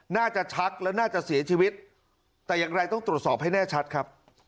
ชักแล้วน่าจะเสียชีวิตแต่อย่างไรต้องตรวจสอบให้แน่ชัดครับ